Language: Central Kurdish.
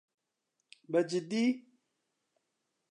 بەجددی؟